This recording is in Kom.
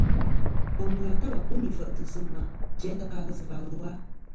Bòm ghà ta wà bû nì fèʼtɨ̀ sɨ̂ mà jæ ta ka ghesɨ̀và lu a?